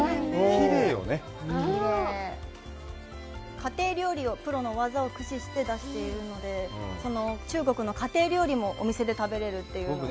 家庭料理をプロの技を駆使して出しているので、中国の家庭料理もお店で食べられるというのが。